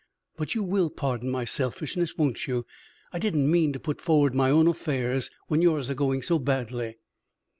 But you will pardon my selfishness, won't you? I didn't mean to put forward my own affairs when yours are going so badly."